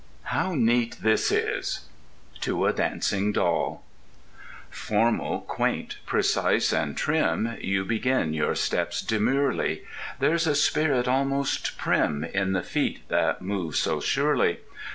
How neat this is: TO A DANCING DOLL Formal, quaint, precise, and trim, You begin your steps demurely— There's a spirit almost prim In the feet that move so surely.